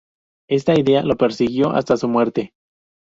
Esta idea lo persiguió hasta su muerte.